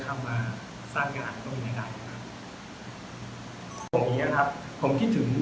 จริงการให้คนแก่